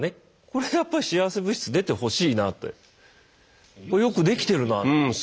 これやっぱ幸せ物質出てほしいなってこれよく出来てるなって。